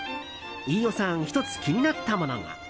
飯尾さん１つ気になったものが。